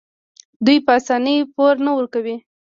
دوی په اسانۍ پور نه ورکوي.